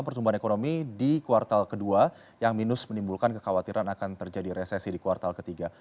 pertumbuhan ekonomi di kuartal kedua yang minus menimbulkan kekhawatiran akan terjadi resesi di kuartal ketiga